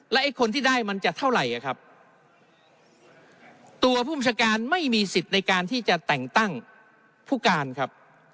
ไอ้คนที่ได้มันจะเท่าไหร่อ่ะครับตัวผู้บัญชาการไม่มีสิทธิ์ในการที่จะแต่งตั้งผู้การครับ